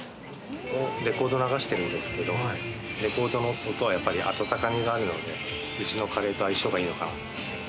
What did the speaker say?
レコード流してるんですけれど、レコードの音はやっぱり温かみがあるので、うちのカレーと相性がいいのかなと。